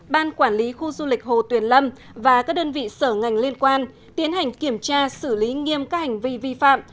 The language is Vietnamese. ban quản lý khu du lịch hồ tuyền lâm và các đơn vị sở ngành liên quan tiến hành kiểm tra xử lý nghiêm các hành vi vi phạm